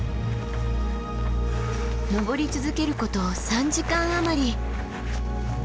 登り続けること３時間余り。